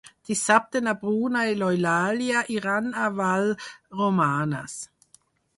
Dissabte na Bruna i n'Eulàlia iran a Vallromanes.